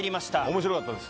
面白かったです。